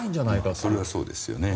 それはそうですよね。